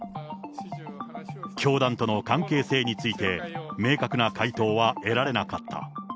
教団との関係性について、明確な回答は得られなかった。